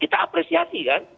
kita apresiasi kan